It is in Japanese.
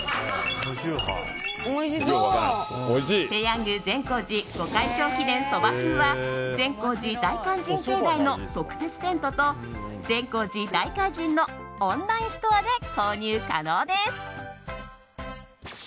ぺヤング善光寺御開帳記念蕎麦風は善光寺大勧進境内の特設テントと善光寺大勧進のオンラインストアで購入可能です。